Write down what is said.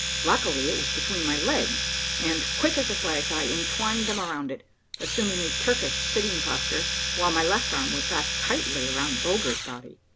Luckily it was between my legs, and quick as a flash I intwined them around it, assuming a Turkish sitting posture, while my left arm was wrapped tightly around Bulger's body.